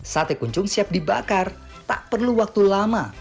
sate kuncung siap dibakar tak perlu waktu lama